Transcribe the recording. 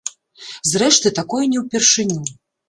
Зрэшты, такое не ўпершыню.